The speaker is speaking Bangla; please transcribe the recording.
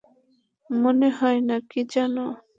মনে হয়, নাকি জানো?